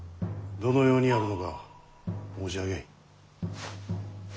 どのようにやるのか申し上げい。